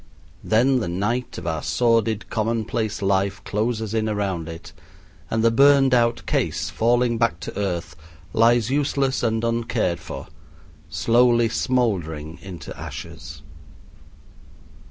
Then the night of our sordid commonplace life closes in around it, and the burned out case, falling back to earth, lies useless and uncared for, slowly smoldering into ashes.